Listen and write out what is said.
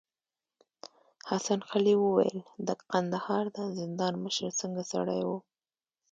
حسن قلي وويل: د کندهار د زندان مشر څنګه سړی و؟